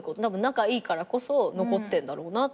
仲いいからこそ残ってんだろうなって思う。